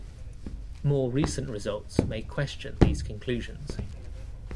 More recent results may question these conclusions.